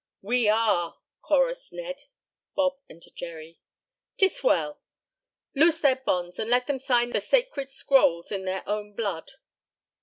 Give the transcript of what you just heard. "We are!" chorused Ned, Bob and Jerry. "'Tis well. Loose their bonds and let them sign the sacred scrolls in their own blood."